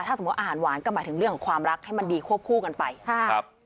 ถ้าสมมุติอาหารหวานก็หมายถึงเรื่องของความรักให้มันดีควบคู่กันไปค่ะครับ